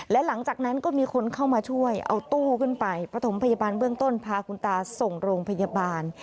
และหลังจากนั้นก็มีคนเข้ามาช่วยเอาตู้ขึ้นไปปฐมพยาบาลเบื้องต้นพาคุณตาส่งโรงพยาบาล